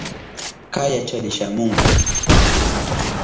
Kayachari shamunka.